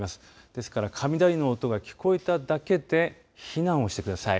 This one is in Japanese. ですから雷の音が聞こえただけで避難をしてください。